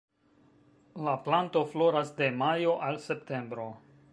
La planto floras de majo al septembro.